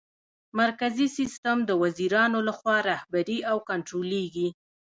مرکزي سیسټم د وزیرانو لخوا رهبري او کنټرولیږي.